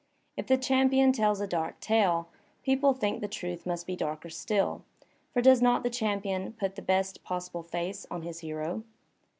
If the champion tells a dark tale, people think the truth must be darker still, for does not the cham pion put the best possible face on his hero?